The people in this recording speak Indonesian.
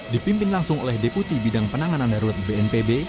dipimpin langsung oleh deputi bidang penanganan darurat bnpb